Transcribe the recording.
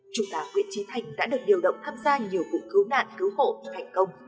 chúng ta nguyễn trí thành đã được điều động tham gia nhiều vụ cứu nạn cứu hộ thành công